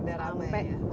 udah rame ya